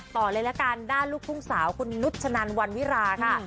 ต่อเลยละกันด้านลูกทุ่งสาวคุณนุชนันวันวิราค่ะ